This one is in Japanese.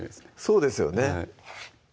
そうですよね